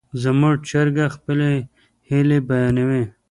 زموږ چرګه خپلې هیلې بیانوي.